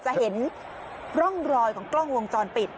จะเห็นร่องรอยของกล้องวงจรปิด